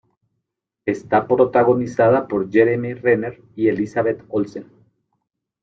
Está protagonizada por Jeremy Renner y Elizabeth Olsen.